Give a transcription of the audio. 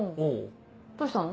どうしたの？